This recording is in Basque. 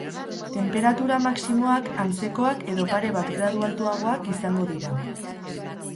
Tenperatura maximoak antzekoak edo pare bat gradu altuagoak izango dira.